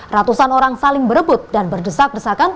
ratusan orang saling berebut dan berdesak desakan